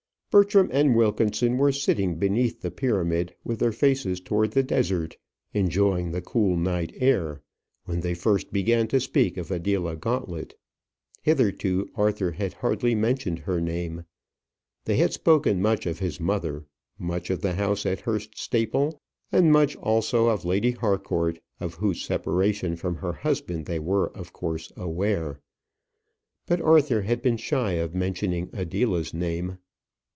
Bertram and Wilkinson were sitting beneath the pyramid, with their faces toward the desert, enjoying the cool night air, when they first began to speak of Adela Gauntlet. Hitherto Arthur had hardly mentioned her name. They had spoken much of his mother, much of the house at Hurst Staple, and much also of Lady Harcourt, of whose separation from her husband they were of course aware; but Arthur had been shy of mentioning Adela's name.